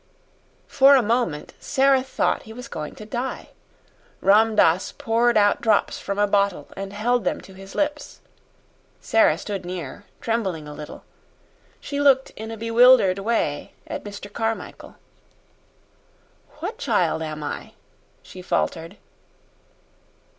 For a moment Sara thought he was going to die. Ram Dass poured out drops from a bottle, and held them to his lips. Sara stood near, trembling a little. She looked in a bewildered way at Mr. Carmichael. "What child am I?" she faltered.